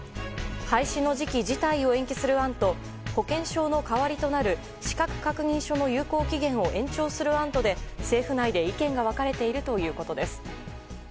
廃止の時期自体を延期する案と保険証の代わりとなる資格確認書の有効期限を延長する案とで政府内で意見が分かれているということです。